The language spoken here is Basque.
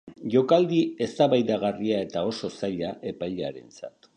Jokaldi eztabaidagarria eta oso zaila epailearentzat.